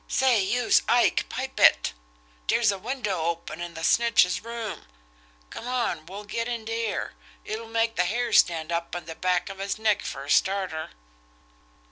"Say, youse, Ike, pipe it! Dere's a window open in the snitch's room. Come on, we'll get in dere. It'll make the hair stand up on the back of his neck fer a starter."